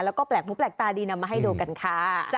แล้วก็แปลกหูแปลกตาดีนำมาให้ดูกันค่ะ